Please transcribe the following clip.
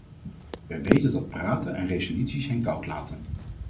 Wij weten dat praten en resoluties hen koud laten.